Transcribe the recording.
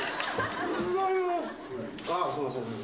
あっすんません。